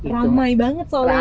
ramai banget soalnya